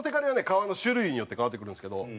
革の種類によって変わってくるんですけど。